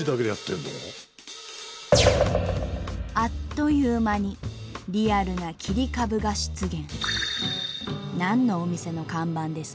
あっという間にリアルな切り株が出現。